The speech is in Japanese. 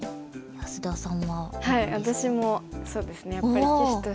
安田さん